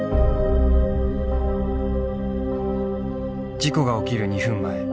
事故が起きる２分前。